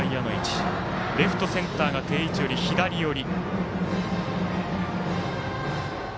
レフト、センターが定位置より左寄り。